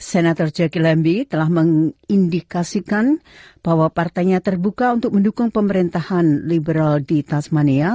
senator jacky lembi telah mengindikasikan bahwa partainya terbuka untuk mendukung pemerintahan liberal di tasmania